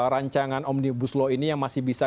rancangan omnibus law ini yang masih bisa